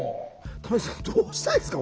玉木さんどうしたらいいですか？